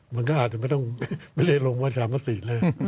มันอาจจะไม่ประมาหรือที่ลงมาชาติ